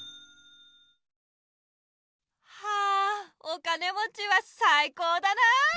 はぁお金もちはさいこうだな！